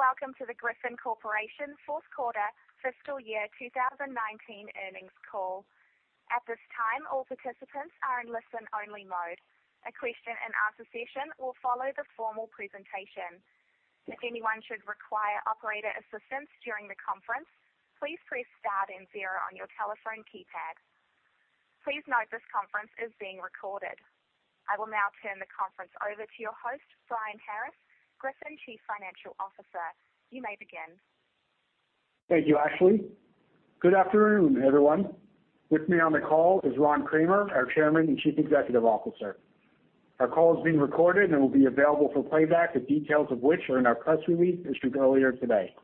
Thanks, welcome to the Griffon Corporation fourth quarter fiscal year 2019 earnings call. At this time, all participants are in listen-only mode. A question and answer session will follow the formal presentation. If anyone should require operator assistance during the conference, please press star and zero on your telephone keypad. Please note this conference is being recorded. I will now turn the conference over to your host, Brian Harris, Griffon Chief Financial Officer. You may begin. Thank you, Ashley. Good afternoon, everyone. With me on the call is Ron Kramer, our Chairman and Chief Executive Officer. Our call is being recorded and will be available for playback, the details of which are in our press release issued earlier today.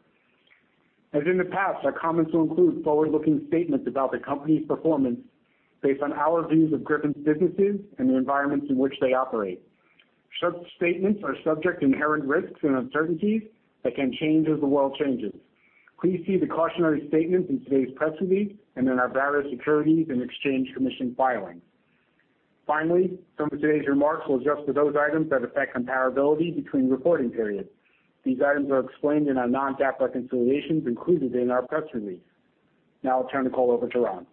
As in the past, our comments will include forward-looking statements about the company's performance based on our views of Griffon's businesses and the environments in which they operate. Such statements are subject to inherent risks and uncertainties that can change as the world changes. Please see the cautionary statements in today's press release and in our various Securities and Exchange Commission filings. Some of today's remarks will adjust for those items that affect comparability between reporting periods. These items are explained in our non-GAAP reconciliations included in our press release. I'll turn the call over to Ron.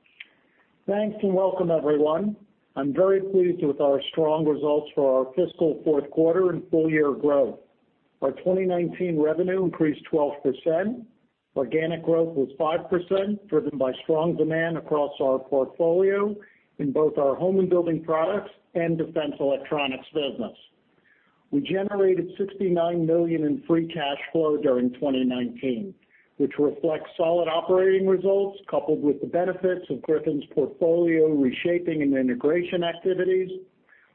Thanks, welcome everyone. I'm very pleased with our strong results for our fiscal fourth quarter and full-year growth. Our 2019 revenue increased 12%. Organic growth was 5%, driven by strong demand across our portfolio in both our home and building products and defense electronics business. We generated $69 million in free cash flow during 2019, which reflects solid operating results coupled with the benefits of Griffon's portfolio reshaping and integration activities.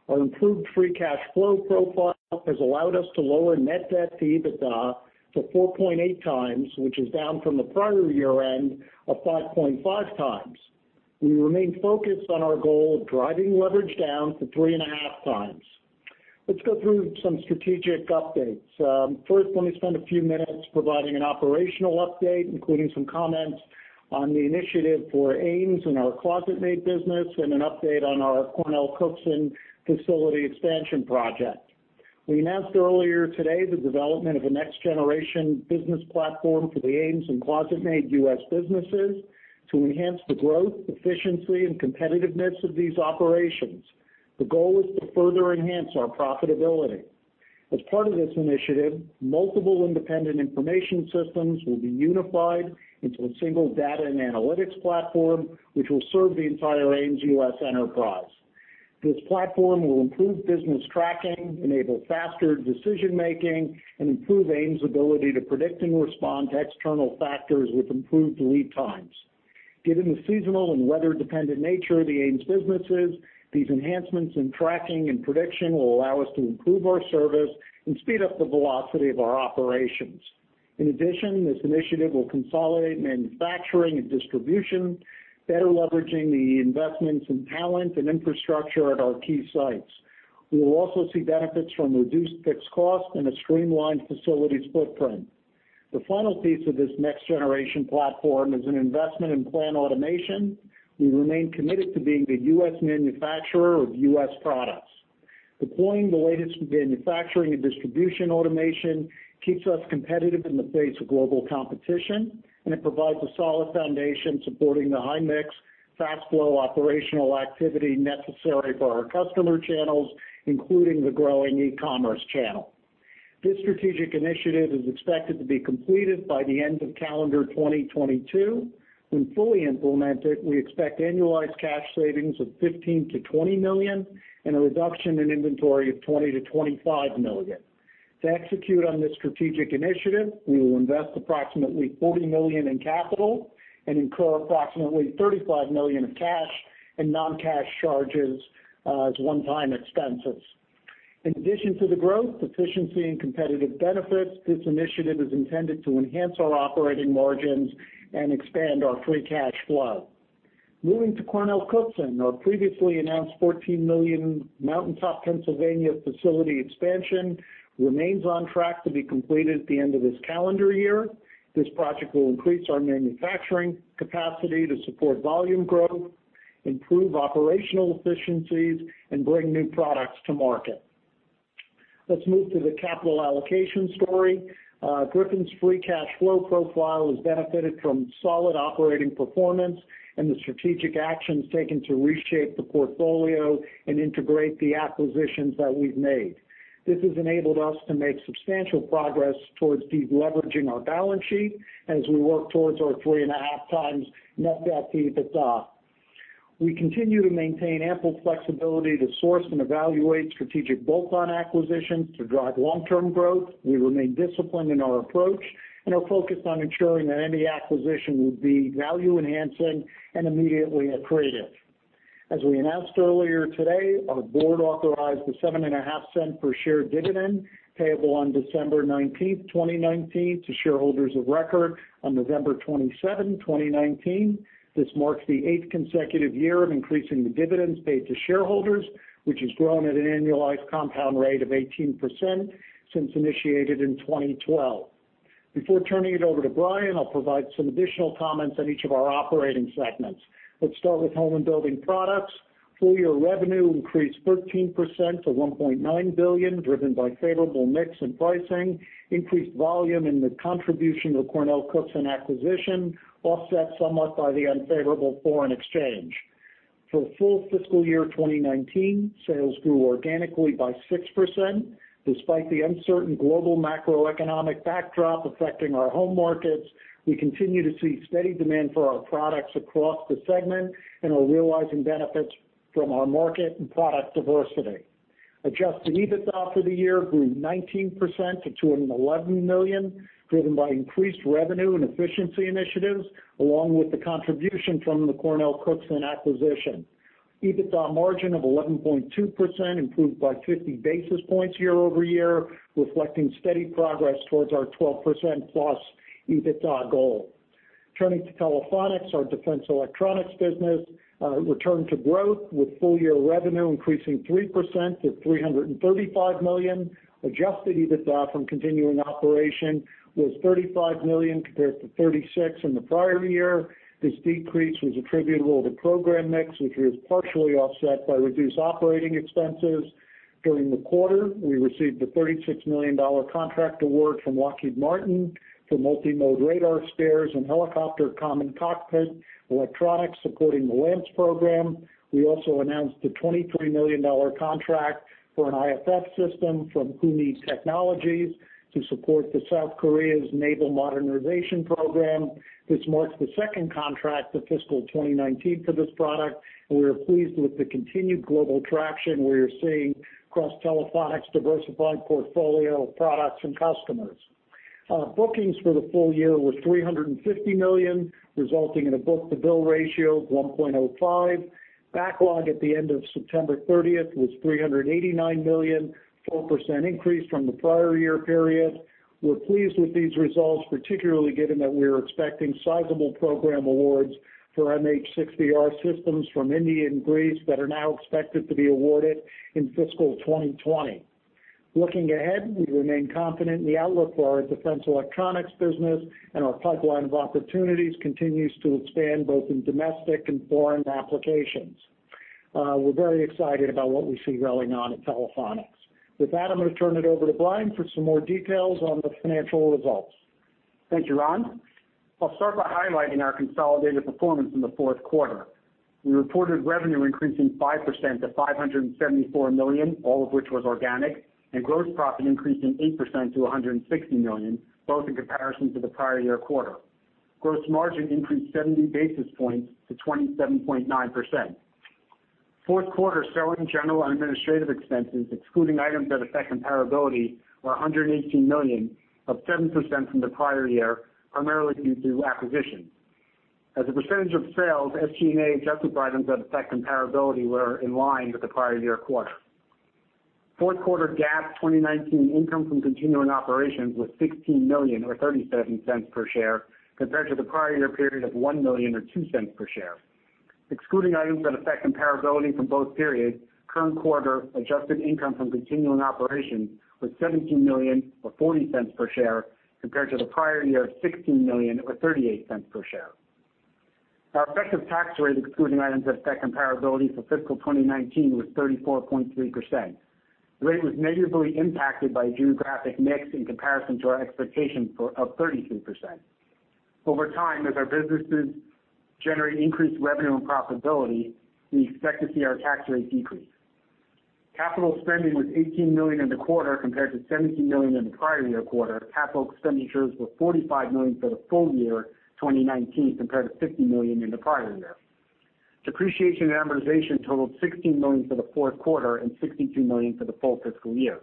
Our improved free cash flow profile has allowed us to lower net debt to EBITDA to 4.8 times, which is down from the prior year end of 5.5 times. We remain focused on our goal of driving leverage down to 3.5 times. Let's go through some strategic updates. First, let me spend a few minutes providing an operational update, including some comments on the initiative for AMES and our ClosetMaid business and an update on our CornellCookson facility expansion project. We announced earlier today the development of a next-generation business platform for the AMES and ClosetMaid U.S. businesses to enhance the growth, efficiency, and competitiveness of these operations. The goal is to further enhance our profitability. As part of this initiative, multiple independent information systems will be unified into a single data and analytics platform, which will serve the entire AMES U.S. enterprise. This platform will improve business tracking, enable faster decision-making, and improve AMES' ability to predict and respond to external factors with improved lead times. Given the seasonal and weather-dependent nature of the AMES businesses, these enhancements in tracking and prediction will allow us to improve our service and speed up the velocity of our operations. This initiative will consolidate manufacturing and distribution, better leveraging the investments in talent and infrastructure at our key sites. We will also see benefits from reduced fixed costs and a streamlined facilities footprint. The final piece of this next-generation platform is an investment in plant automation. We remain committed to being the U.S. manufacturer of U.S. products. Deploying the latest in manufacturing and distribution automation keeps us competitive in the face of global competition, and it provides a solid foundation supporting the high-mix, fast-flow operational activity necessary for our customer channels, including the growing e-commerce channel. This strategic initiative is expected to be completed by the end of calendar 2022. When fully implemented, we expect annualized cash savings of $15 million-$20 million and a reduction in inventory of $20 million-$25 million. To execute on this strategic initiative, we will invest approximately $40 million in capital and incur approximately $35 million of cash and non-cash charges as one-time expenses. In addition to the growth, efficiency, and competitive benefits, this initiative is intended to enhance our operating margins and expand our free cash flow. Moving to CornellCookson, our previously announced $14 million Mountaintop, Pennsylvania, facility expansion remains on track to be completed at the end of this calendar year. This project will increase our manufacturing capacity to support volume growth, improve operational efficiencies, and bring new products to market. Let's move to the capital allocation story. Griffon's free cash flow profile has benefited from solid operating performance and the strategic actions taken to reshape the portfolio and integrate the acquisitions that we've made. This has enabled us to make substantial progress towards de-leveraging our balance sheet as we work towards our 3.5 times net debt to EBITDA. We continue to maintain ample flexibility to source and evaluate strategic bolt-on acquisitions to drive long-term growth. We remain disciplined in our approach and are focused on ensuring that any acquisition would be value-enhancing and immediately accretive. As we announced earlier today, our board authorized a $0.075 per share dividend payable on December 19, 2019, to shareholders of record on November 27, 2019. This marks the eighth consecutive year of increasing the dividends paid to shareholders, which has grown at an annualized compound rate of 18% since initiated in 2012. Before turning it over to Brian, I'll provide some additional comments on each of our operating segments. Let's start with Home and Building Products. Full-year revenue increased 13% to $1.9 billion, driven by favorable mix in pricing, increased volume in the contribution of CornellCookson acquisition, offset somewhat by the unfavorable foreign exchange. For full fiscal year 2019, sales grew organically by 6%. Despite the uncertain global macroeconomic backdrop affecting our home markets, we continue to see steady demand for our products across the segment and are realizing benefits from our market and product diversity. Adjusted EBITDA for the year grew 19% to $211 million, driven by increased revenue and efficiency initiatives, along with the contribution from the CornellCookson acquisition. EBITDA margin of 11.2% improved by 50 basis points year-over-year, reflecting steady progress towards our 12% plus EBITDA goal. Turning to Telephonics, our defense electronics business returned to growth with full-year revenue increasing 3% to $335 million. Adjusted EBITDA from continuing operation was $35 million compared to $36 million in the prior year. This decrease was attributable to program mix, which was partially offset by reduced operating expenses. During the quarter, we received a $36 million contract award from Lockheed Martin for multi-mode radar spares and helicopter common cockpit electronics supporting the Lance program. We also announced a $23 million contract for an IFF system from Huneed Technologies to support the South Korea's Naval Modernization Program. This marks the second contract for fiscal 2019 for this product, and we are pleased with the continued global traction we are seeing across Telephonics' diversified portfolio of products and customers. Bookings for the full year were $350 million, resulting in a book-to-bill ratio of 1.05. Backlog at the end of September 30th was $389 million, 4% increase from the prior year period. We're pleased with these results, particularly given that we are expecting sizable program awards for MH-60R systems from India and Greece that are now expected to be awarded in fiscal 2020. Looking ahead, we remain confident in the outlook for our defense electronics business, and our pipeline of opportunities continues to expand both in domestic and foreign applications. We're very excited about what we see rolling on at Telephonics. With that, I'm going to turn it over to Brian for some more details on the financial results. Thank you, Ron. I'll start by highlighting our consolidated performance in the fourth quarter. We reported revenue increasing 5% to $574 million, all of which was organic, and gross profit increasing 8% to $160 million, both in comparison to the prior year quarter. Gross margin increased 70 basis points to 27.9%. Fourth quarter selling, general, and administrative expenses, excluding items that affect comparability, were $118 million, up 7% from the prior year, primarily due to acquisitions. As a percentage of sales, SG&A, adjusted for items that affect comparability, were in line with the prior year quarter. Fourth quarter GAAP 2019 income from continuing operations was $16 million, or $0.37 per share, compared to the prior year period of $1 million or $0.02 per share. Excluding items that affect comparability from both periods, current quarter adjusted income from continuing operations was $17 million or $0.40 per share, compared to the prior year $16 million or $0.38 per share. Our effective tax rate, excluding items that affect comparability for fiscal 2019, was 34.3%. The rate was negatively impacted by geographic mix in comparison to our expectation of 33%. Over time, as our businesses generate increased revenue and profitability, we expect to see our tax rate decrease. Capital spending was $18 million in the quarter compared to $17 million in the prior year quarter. CapEx expenditures were $45 million for the full year 2019 compared to $50 million in the prior year. Depreciation and amortization totaled $16 million for the fourth quarter and $62 million for the full fiscal year.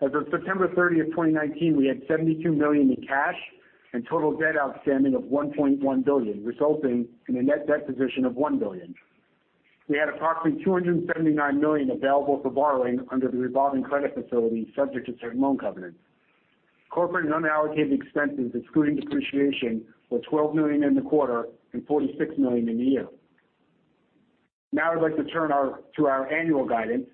As of September 30th, 2019, we had $72 million in cash and total debt outstanding of $1.1 billion, resulting in a net debt position of $1 billion. We had approximately $279 million available for borrowing under the revolving credit facility subject to certain loan covenants. Corporate and unallocated expenses, excluding depreciation, were $12 million in the quarter and $46 million in the year. Now I'd like to turn to our annual guidance.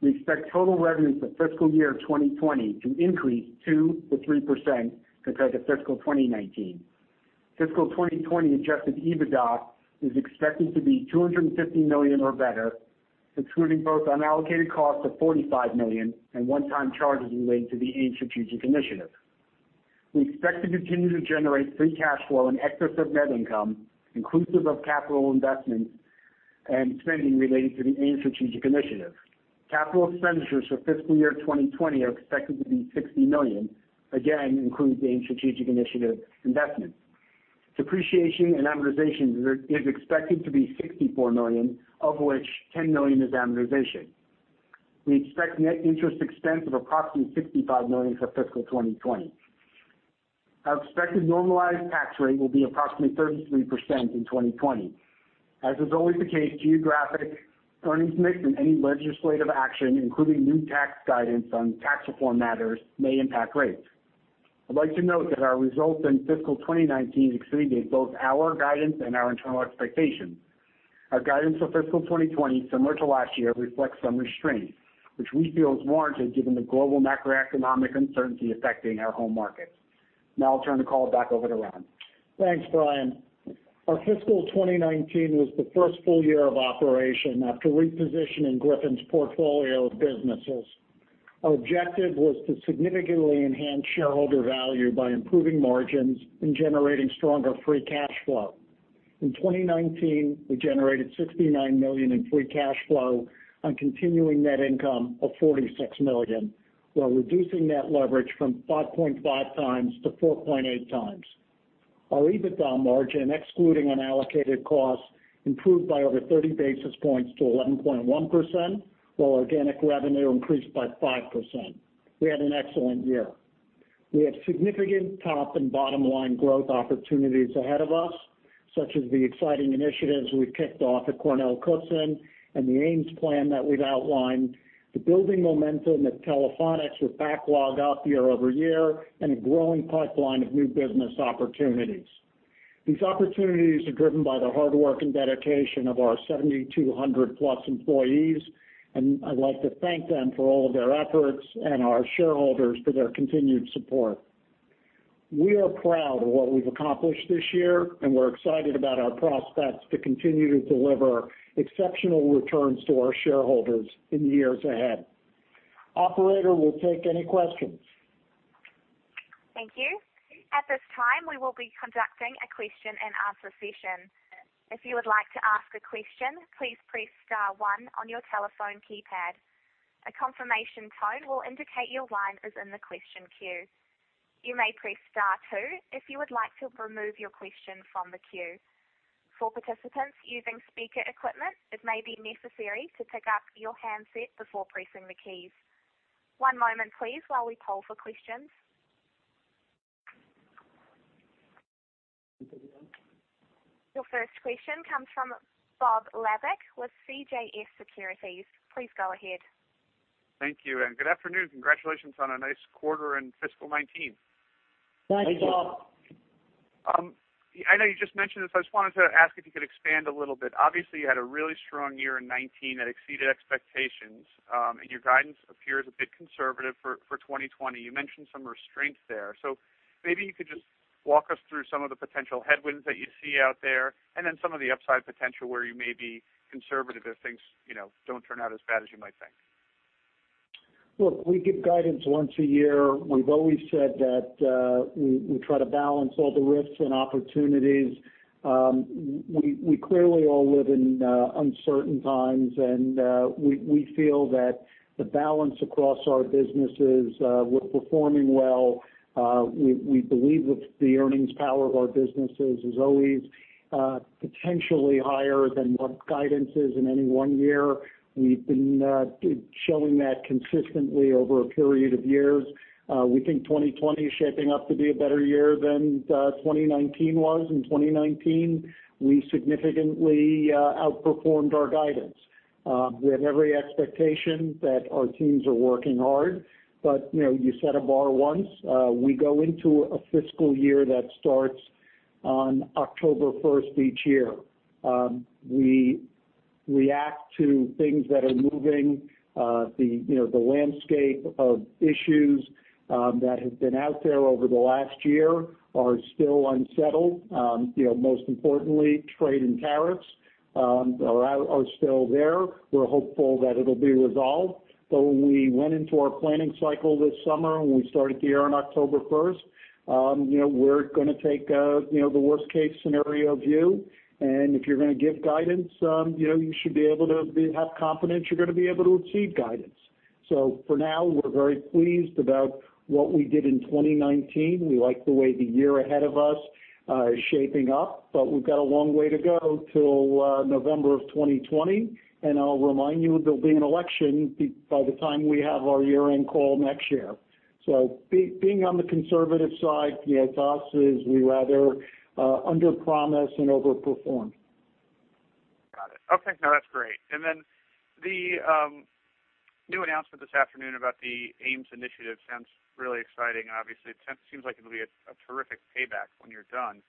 We expect total revenues for fiscal year 2020 to increase 2%-3% compared to fiscal 2019. Fiscal 2020 adjusted EBITDA is expected to be $250 million or better, excluding both unallocated costs of $45 million and one-time charges related to the AMES strategic initiative. We expect to continue to generate free cash flow in excess of net income, inclusive of capital investments and spending related to the AMES strategic initiative. Capital expenditures for fiscal year 2020 are expected to be $60 million, again, includes the AMES strategic initiative investment. Depreciation and amortization is expected to be $64 million, of which $10 million is amortization. We expect net interest expense of approximately $65 million for fiscal 2020. Our expected normalized tax rate will be approximately 33% in 2020. As is always the case, geographic earnings mix and any legislative action, including new tax guidance on tax reform matters, may impact rates. I'd like to note that our results in fiscal 2019 exceeded both our guidance and our internal expectations. Our guidance for fiscal 2020, similar to last year, reflects some restraints, which we feel is warranted given the global macroeconomic uncertainty affecting our home market. Now I'll turn the call back over to Ron. Thanks, Brian. Our fiscal 2019 was the first full year of operation after repositioning Griffon's portfolio of businesses. Our objective was to significantly enhance shareholder value by improving margins and generating stronger free cash flow. In 2019, we generated $69 million in free cash flow on continuing net income of $46 million, while reducing net leverage from 5.5 times to 4.8 times. Our EBITDA margin, excluding unallocated costs, improved by over 30 basis points to 11.1%, while organic revenue increased by 5%. We had an excellent year. We have significant top and bottom-line growth opportunities ahead of us, such as the exciting initiatives we've kicked off at CornellCookson and the AMES plan that we've outlined, the building momentum at Telephonics with backlog up year-over-year, and a growing pipeline of new business opportunities. These opportunities are driven by the hard work and dedication of our 7,200-plus employees. I'd like to thank them for all of their efforts and our shareholders for their continued support. We are proud of what we've accomplished this year. We're excited about our prospects to continue to deliver exceptional returns to our shareholders in the years ahead. Operator, we'll take any questions. Thank you. At this time, we will be conducting a question and answer session. If you would like to ask a question, please press star one on your telephone keypad. A confirmation tone will indicate your line is in the question queue. You may press star two if you would like to remove your question from the queue. For participants using speaker equipment, it may be necessary to pick up your handset before pressing the keys. One moment please, while we poll for questions. Your first question comes from Bob Labick with CJS Securities. Please go ahead. Thank you, good afternoon. Congratulations on a nice quarter in fiscal 2019. Thank you. Thanks, Bob. I know you just mentioned this. I just wanted to ask if you could expand a little bit. Obviously, you had a really strong year in 2019 that exceeded expectations. Your guidance appears a bit conservative for 2020. You mentioned some restraint there. Maybe you could just walk us through some of the potential headwinds that you see out there, and then some of the upside potential where you may be conservative if things don't turn out as bad as you might think. Look, we give guidance once a year. We've always said that we try to balance all the risks and opportunities. We clearly all live in uncertain times, and we feel that the balance across our businesses, we're performing well. We believe that the earnings power of our businesses is always potentially higher than what guidance is in any one year. We've been showing that consistently over a period of years. We think 2020 is shaping up to be a better year than 2019 was. In 2019, we significantly outperformed our guidance. We have every expectation that our teams are working hard, but you set a bar once. We go into a fiscal year that starts on October 1st each year. We react to things that are moving. The landscape of issues that have been out there over the last year are still unsettled. Most importantly, trade and tariffs are still there. We're hopeful that it'll be resolved. When we went into our planning cycle this summer, when we started the year on October 1st, we're going to take the worst-case scenario view, and if you're going to give guidance, you should be able to have confidence you're going to be able to achieve guidance. For now, we're very pleased about what we did in 2019. We like the way the year ahead of us is shaping up, but we've got a long way to go till November of 2020. I'll remind you, there'll be an election by the time we have our year-end call next year. Being on the conservative side with us is we rather underpromise and overperform. Got it. Okay. No, that's great. The new announcement this afternoon about the AMES initiative sounds really exciting. Obviously, it seems like it'll be a terrific payback when you're done.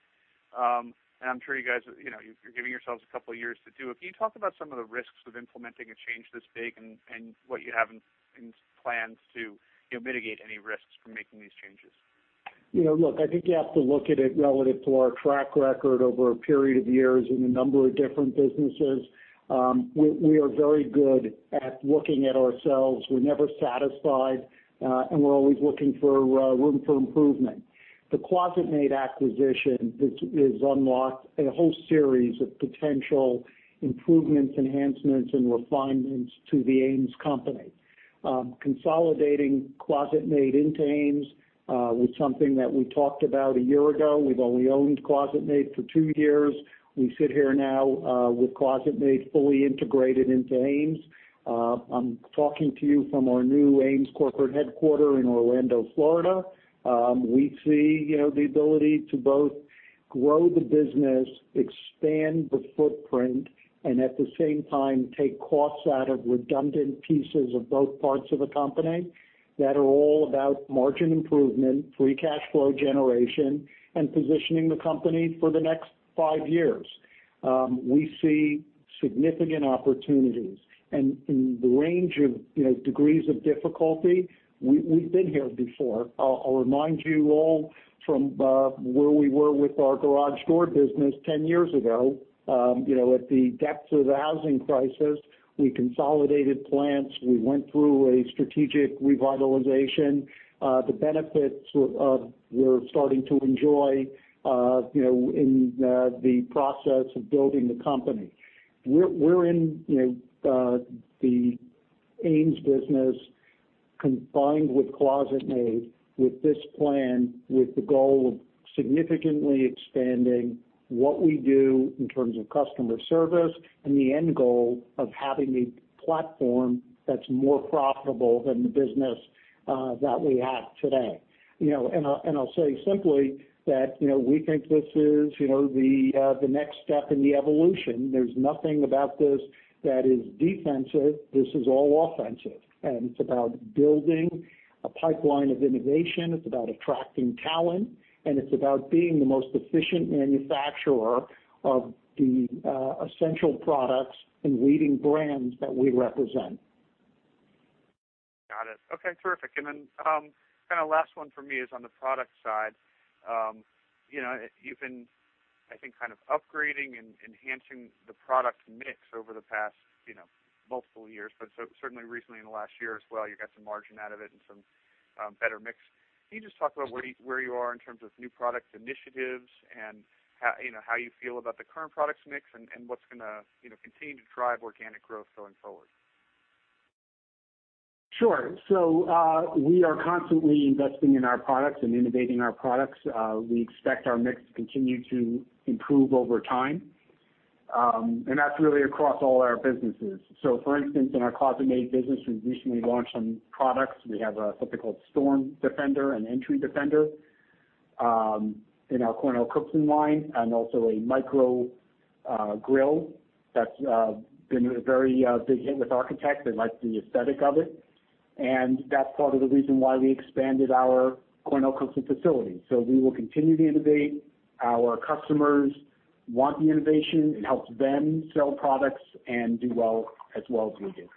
I'm sure you guys, you're giving yourselves a couple of years to do it. Can you talk about some of the risks of implementing a change this big and what you have in plans to mitigate any risks from making these changes? Look, I think you have to look at it relative to our track record over a period of years in a number of different businesses. We are very good at looking at ourselves. We're never satisfied, and we're always looking for room for improvement. The ClosetMaid acquisition has unlocked a whole series of potential improvements, enhancements, and refinements to the AMES company. Consolidating ClosetMaid into AMES was something that we talked about a year ago. We've only owned ClosetMaid for two years. We sit here now with ClosetMaid fully integrated into AMES. I'm talking to you from our new AMES corporate headquarters in Orlando, Florida. We see the ability to both grow the business, expand the footprint, and at the same time, take costs out of redundant pieces of both parts of the company that are all about margin improvement, free cash flow generation, and positioning the company for the next five years. We see significant opportunities. In the range of degrees of difficulty, we've been here before. I'll remind you all from where we were with our garage door business 10 years ago. At the depths of the housing crisis, we consolidated plants. We went through a strategic revitalization. The benefits we're starting to enjoy in the process of building the company. We're in the AMES business combined with ClosetMaid, with this plan, with the goal of significantly expanding what we do in terms of customer service and the end goal of having a platform that's more profitable than the business that we have today. I'll say simply that we think this is the next step in the evolution. There's nothing about this that is defensive. This is all offensive, and it's about building a pipeline of innovation, it's about attracting talent, and it's about being the most efficient manufacturer of the essential products and leading brands that we represent. Got it. Okay, terrific. Last one for me is on the product side. You've been, I think, upgrading and enhancing the product mix over the past multiple years, but certainly recently in the last year as well, you got some margin out of it and some better mix. Can you just talk about where you are in terms of new product initiatives and how you feel about the current products mix and what's going to continue to drive organic growth going forward? Sure. We are constantly investing in our products and innovating our products. We expect our mix to continue to improve over time. That's really across all our businesses. For instance, in our ClosetMaid business, we've recently launched some products. We have something called StormDefender and EntryDefender in our CornellCookson line, and also a MicroCoil Grille that's been a very big hit with architects. They like the aesthetic of it. That's part of the reason why we expanded our CornellCookson facility. We will continue to innovate. Our customers want the innovation. It helps them sell products and do well as well as we do.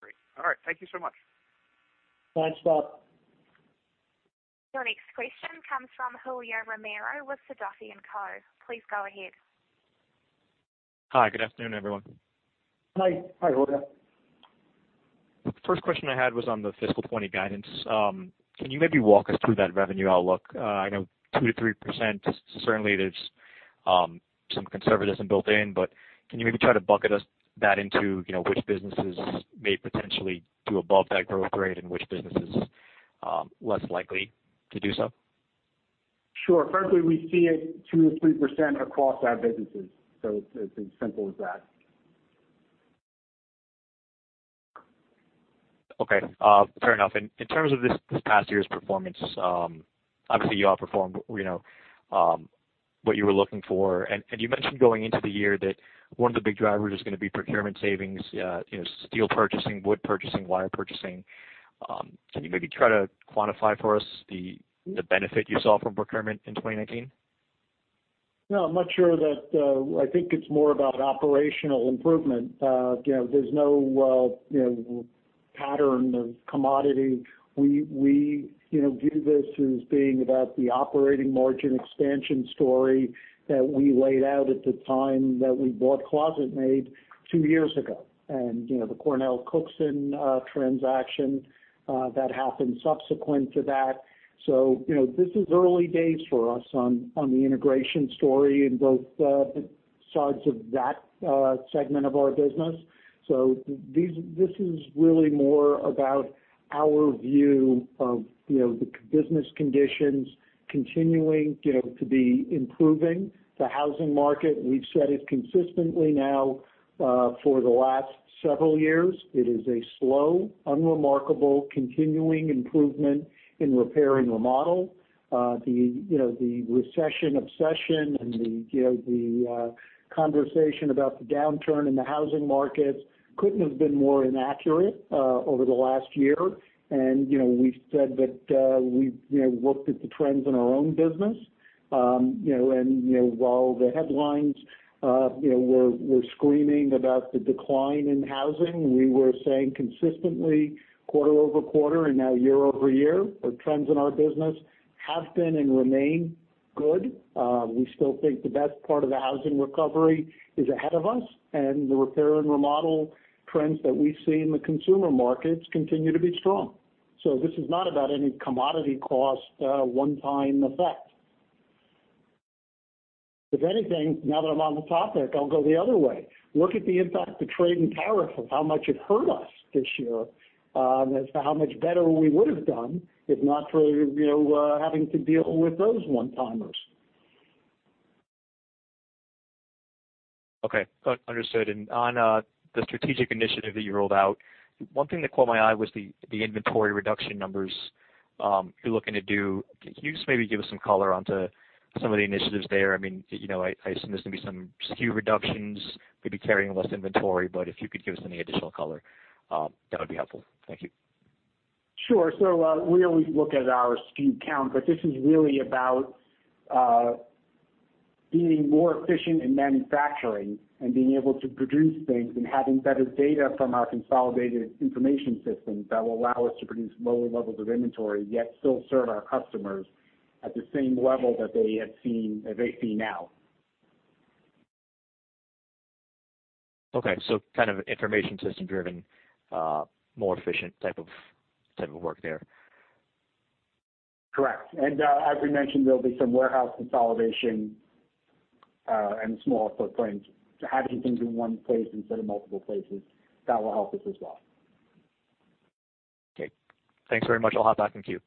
Great. All right. Thank you so much. Thanks, Bob. Your next question comes from Julio Romero with Sidoti & Company. Please go ahead. Hi, good afternoon, everyone. Hi, Julio. First question I had was on the fiscal 2020 guidance. Can you maybe walk us through that revenue outlook? I know 2%-3%, certainly there's some conservatism built in, can you maybe try to bucket us that into which businesses may potentially do above that growth rate and which business is less likely to do so? Sure. Frankly, we see it 2%-3% across our businesses. It's as simple as that. Okay. Fair enough. In terms of this past year's performance, obviously you all performed what you were looking for. You mentioned going into the year that one of the big drivers is going to be procurement savings, steel purchasing, wood purchasing, wire purchasing. Can you maybe try to quantify for us the benefit you saw from procurement in 2019? No, I'm not sure I think it's more about operational improvement. There's no pattern of commodity. We view this as being about the operating margin expansion story that we laid out at the time that we bought ClosetMaid two years ago. The CornellCookson transaction that happened subsequent to that. This is early days for us on the integration story in both sides of that segment of our business. This is really more about our view of the business conditions continuing to be improving. The housing market, we've said it consistently now for the last several years, it is a slow, unremarkable, continuing improvement in repair and remodel. The recession obsession and the conversation about the downturn in the housing markets couldn't have been more inaccurate over the last year. We've said that we've looked at the trends in our own business. While the headlines were screaming about the decline in housing, we were saying consistently quarter-over-quarter and now year-over-year, our trends in our business have been and remain good. We still think the best part of the housing recovery is ahead of us, and the repair and remodel trends that we see in the consumer markets continue to be strong. This is not about any commodity cost one-time effect. If anything, now that I'm on the topic, I'll go the other way. Look at the impact of trade and tariffs, how much it hurt us this year. As to how much better we would have done if not for having to deal with those one-timers. Okay. Understood. On the strategic initiative that you rolled out, one thing that caught my eye was the inventory reduction numbers you're looking to do. Can you just maybe give us some color onto some of the initiatives there? I assume there's going to be some SKU reductions, maybe carrying less inventory, but if you could give us any additional color, that would be helpful. Thank you. Sure. We always look at our SKU count, but this is really about being more efficient in manufacturing and being able to produce things and having better data from our consolidated information systems that will allow us to produce lower levels of inventory, yet still serve our customers at the same level that they see now. Okay. kind of information system driven, more efficient type of work there. Correct. As we mentioned, there'll be some warehouse consolidation, and smaller footprint. Having things in one place instead of multiple places, that will help us as well. Okay. Thanks very much. I'll hop back in queue.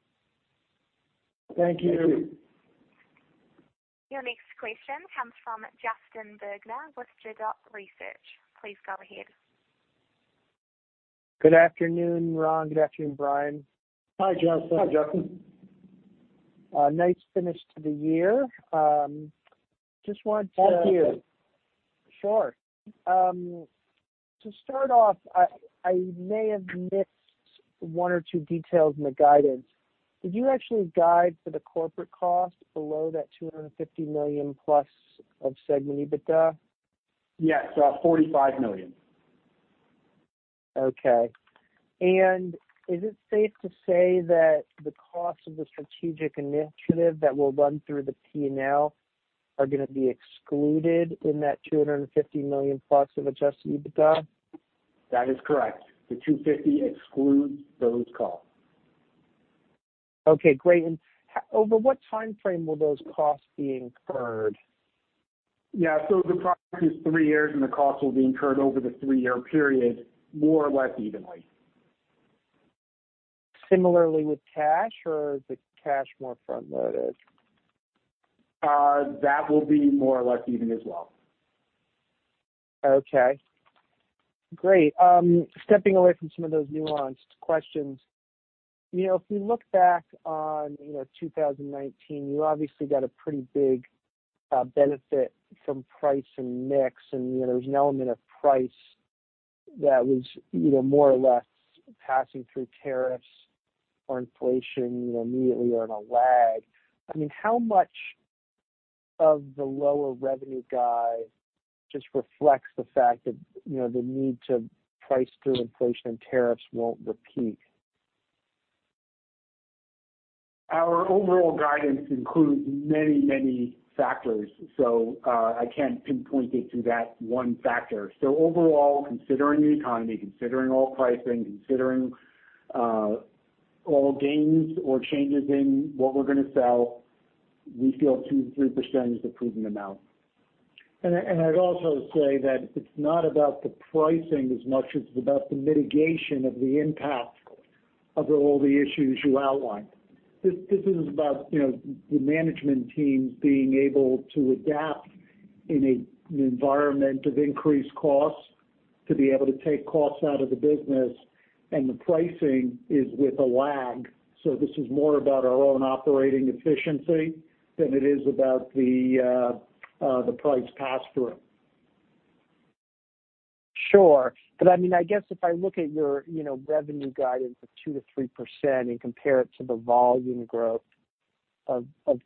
Thank you. Thank you. Your next question comes from Justin Bergner with Gabelli & Company. Please go ahead. Good afternoon, Ron. Good afternoon, Brian. Hi, Justin. Hi, Justin. Nice finish to the year. Thank you. Sure. To start off, I may have missed one or two details in the guidance. Did you actually guide for the corporate cost below that $250 million plus of segment EBITDA? Yes, $45 million. Okay. Is it safe to say that the cost of the Strategic Initiative that will run through the P&L are going to be excluded in that $250 million plus of adjusted EBITDA? That is correct. The $250 excludes those costs. Okay, great. Over what timeframe will those costs be incurred? Yeah. The project is three years, and the cost will be incurred over the three-year period, more or less evenly. Similarly with cash, or is the cash more front-loaded? That will be more or less even as well. Okay, great. Stepping away from some of those nuanced questions, if we look back on 2019, you obviously got a pretty big benefit from price and mix, and there was an element of price that was more or less passing through tariffs or inflation immediately or in a lag. I mean, how much of the lower revenue guide just reflects the fact that the need to price through inflation and tariffs won't repeat? Our overall guidance includes many factors. I can't pinpoint it to that one factor. Overall, considering the economy, considering all pricing, considering all gains or changes in what we're going to sell, we feel 2%-3% is the prudent amount. I'd also say that it's not about the pricing as much as it's about the mitigation of the impact of all the issues you outlined. This is about the management teams being able to adapt in an environment of increased costs to be able to take costs out of the business. The pricing is with a lag. This is more about our own operating efficiency than it is about the price pass-through. Sure. I guess if I look at your revenue guidance of 2%-3% and compare it to the volume growth of 3%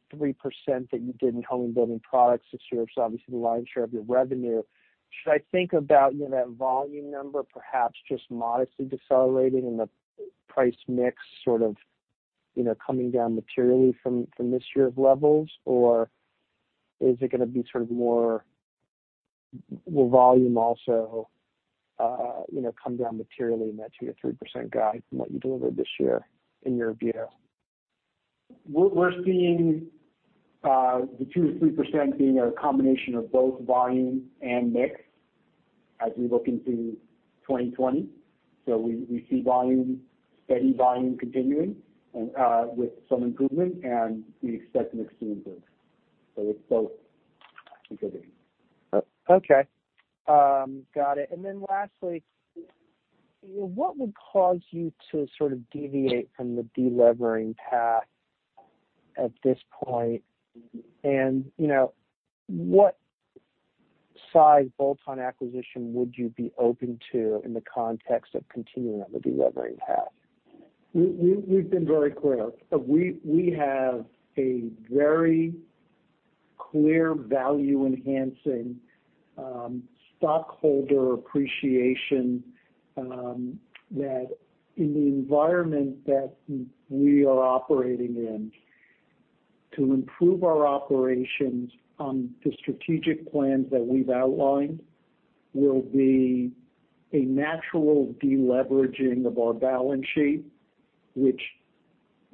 that you did in home and building products, which serves obviously the lion's share of your revenue, should I think about that volume number perhaps just modestly decelerating and the price mix sort of coming down materially from this year of levels? Is it going to be sort of more will volume also come down materially in that 2%-3% guide from what you delivered this year, in your view? We're seeing the 2%-3% being a combination of both volume and mix as we look into 2020. We see steady volume continuing with some improvement, and we expect mix to improve. It's both contributing. Okay. Got it. Lastly, what would cause you to sort of deviate from the de-levering path at this point? What size bolt-on acquisition would you be open to in the context of continuing on the de-levering path? We've been very clear. We have a very clear value-enhancing stockholder appreciation, that in the environment that we are operating in, to improve our operations on the strategic plans that we've outlined, will be a natural de-leveraging of our balance sheet. Which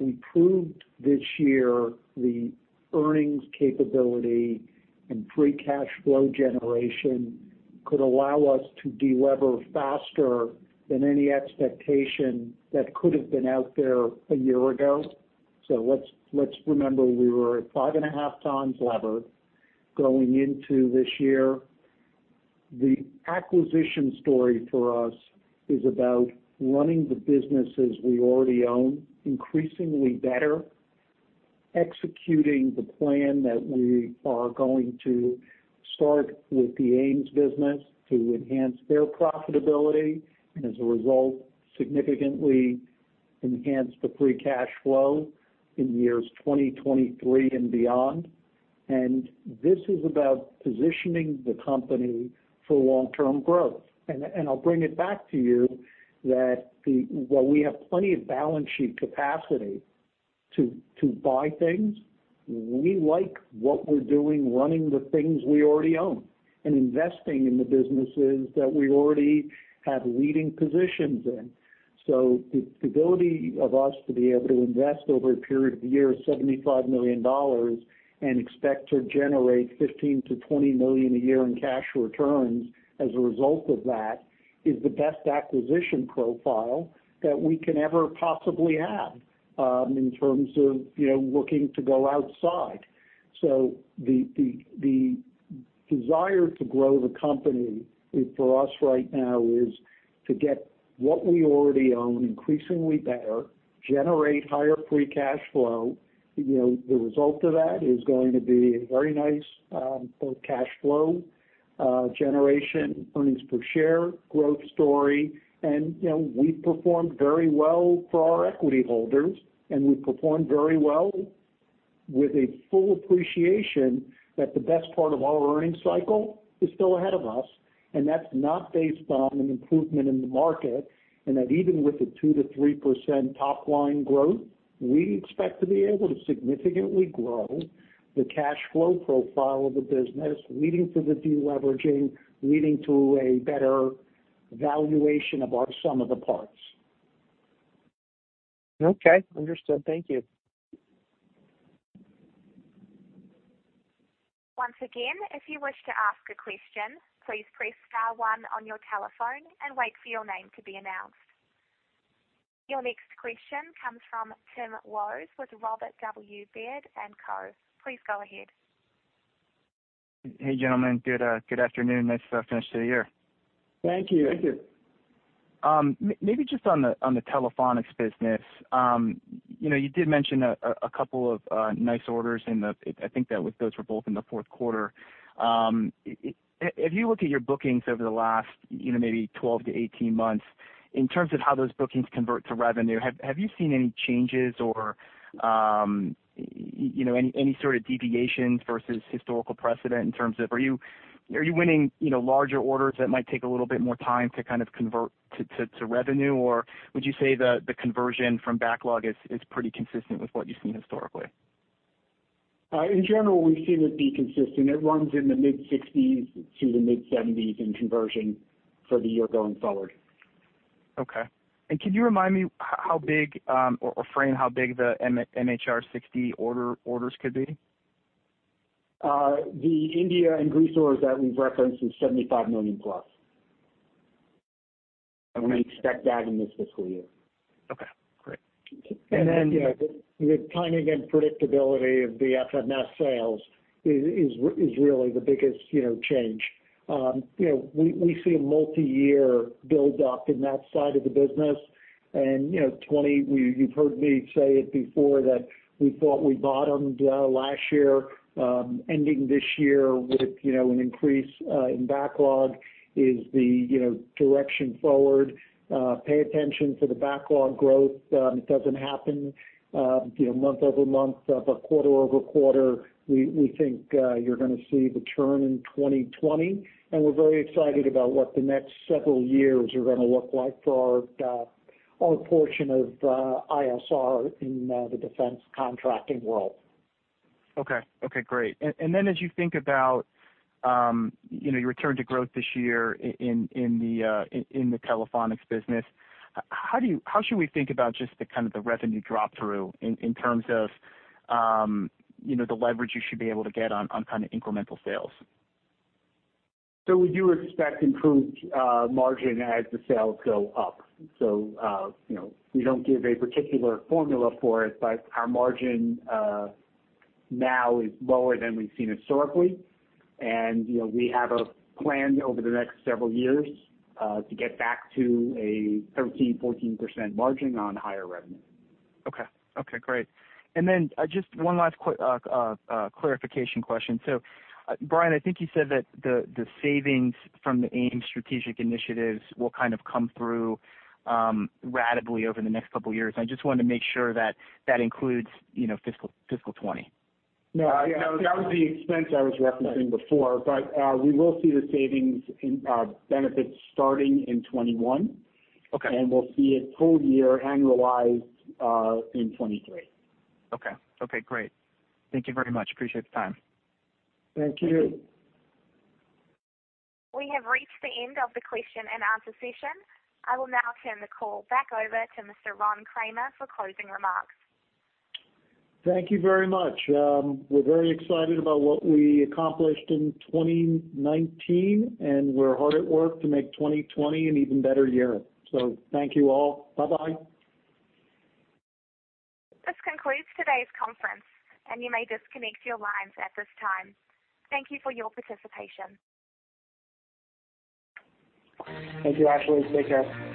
improved this year, the earnings capability and free cash flow generation could allow us to de-lever faster than any expectation that could have been out there a year ago. Let's remember, we were at 5.5 times lever going into this year. The acquisition story for us is about running the businesses we already own increasingly better. Executing the plan that we are going to start with the AMES business to enhance their profitability, and as a result, significantly enhance the free cash flow in years 2023 and beyond. This is about positioning the company for long-term growth. I'll bring it back to you that while we have plenty of balance sheet capacity to buy things, we like what we're doing running the things we already own and investing in the businesses that we already have leading positions in. The ability of us to be able to invest over a period of a year $75 million and expect to generate $15 million to $20 million a year in cash returns as a result of that, is the best acquisition profile that we can ever possibly have, in terms of looking to go outside. The desire to grow the company for us right now is to get what we already own increasingly better, generate higher free cash flow. The result of that is going to be a very nice cash flow generation, earnings per share growth story. We've performed very well for our equity holders, and we've performed very well with a full appreciation that the best part of our earnings cycle is still ahead of us, and that's not based on an improvement in the market. Even with a 2% to 3% top-line growth, we expect to be able to significantly grow the cash flow profile of the business, leading to the de-leveraging, leading to a better valuation of our sum of the parts. Okay. Understood. Thank you. Once again, if you wish to ask a question, please press *1 on your telephone and wait for your name to be announced. Your next question comes from Tim Wojs with Robert W. Baird & Co. Please go ahead. Hey, gentlemen. Good afternoon. Nice finish to the year. Thank you. Thank you. Maybe just on the Telephonics business. You did mention a couple of nice orders, and I think those were both in the fourth quarter. If you look at your bookings over the last maybe 12 to 18 months, in terms of how those bookings convert to revenue, have you seen any changes or any sort of deviations versus historical precedent in terms of, are you winning larger orders that might take a little bit more time to convert to revenue? Or would you say the conversion from backlog is pretty consistent with what you've seen historically? In general, we've seen it be consistent. It runs in the mid-60s to the mid-70s in conversion for the year going forward. Okay. Could you remind me how big, or frame how big the MH-60R orders could be? The India and Greece orders that we've referenced is $75 million-plus. We expect that in this fiscal year. Okay, great. The timing and predictability of the FMS sales is really the biggest change. We see a multiyear buildup in that side of the business. You've heard me say it before that we thought we bottomed last year, ending this year with an increase in backlog is the direction forward. Pay attention to the backlog growth. It doesn't happen month-over-month, but quarter-over-quarter, we think you're going to see the turn in 2020. We're very excited about what the next several years are going to look like for our portion of ISR in the defense contracting world. Okay. Great. Then as you think about your return to growth this year in the Telephonics business, how should we think about just the kind of the revenue drop through in terms of the leverage you should be able to get on kind of incremental sales? We do expect improved margin as the sales go up. We don't give a particular formula for it, but our margin now is lower than we've seen historically. We have a plan over the next several years, to get back to a 13%, 14% margin on higher revenue. Okay. Great. Then just one last clarification question. Brian, I think you said that the savings from the AMES strategic initiatives will kind of come through ratably over the next couple of years. I just wanted to make sure that includes fiscal 2020. No, that was the expense I was referencing before. We will see the savings in benefits starting in 2021. Okay. We'll see it full year annualized in 2023. Okay. Great. Thank you very much. Appreciate the time. Thank you. We have reached the end of the question and answer session. I will now turn the call back over to Mr. Ron Kramer for closing remarks. Thank you very much. We're very excited about what we accomplished in 2019, and we're hard at work to make 2020 an even better year. Thank you all. Bye-bye. This concludes today's conference, and you may disconnect your lines at this time. Thank you for your participation. Thank you, Ashley. Take care.